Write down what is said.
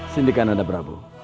sindikan anda prabu